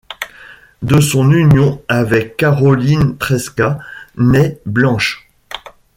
De son union avec Caroline Tresca naît Blanche.